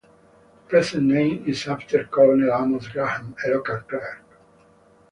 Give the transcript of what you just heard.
The present name is after Colonel Amos Graham, a local clerk.